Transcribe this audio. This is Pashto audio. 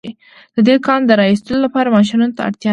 د دې کان د را ايستلو لپاره ماشينونو ته اړتيا وه.